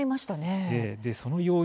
その要因